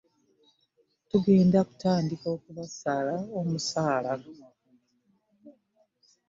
Tugenda kutandika okubasala omusaala.